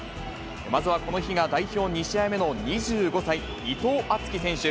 まずはこの日が代表２試合目の２５歳、伊藤敦樹選手。